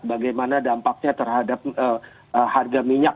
bagaimana dampaknya terhadap harga minyak